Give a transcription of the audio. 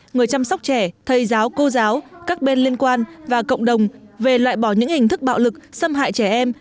người chăm sóc trẻ thầy giáo cô giáo các bên liên quan và cộng đồng về loại bỏ những hình thức bạo lực xâm hại trẻ em